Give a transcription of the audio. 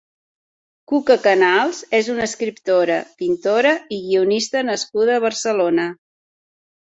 Cuca Canals és una escriptora, pintora i guionista nascuda a Barcelona.